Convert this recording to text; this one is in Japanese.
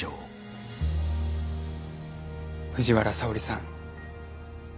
藤原沙織さん。